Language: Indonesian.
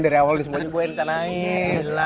dari awal disemua ini gue yang rencanain